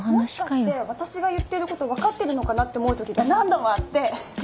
もしかして私が言ってること分かってるのかなって思う時が何度もあって。